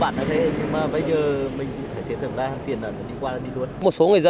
bây giờ mình sẽ thưởng ra